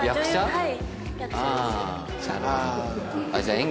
はい。